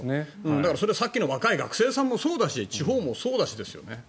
だから、それはさっきの若い学生さんもそうだし地方もそうだしですよね。